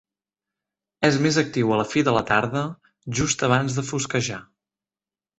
És més actiu a la fi de la tarda, just abans de fosquejar.